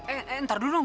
eh eh ntar dulu dong